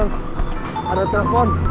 ketuk ada telepon